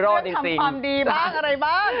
ทำความดีมากอะไรบ้าง